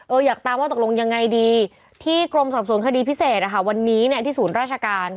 อยากตามว่าตกลงยังไงดีที่กรมสอบสวนคดีพิเศษนะคะวันนี้เนี่ยที่ศูนย์ราชการ